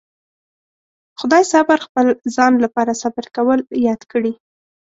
خدای صبر خپل ځان لپاره صبر کول ياد کړي.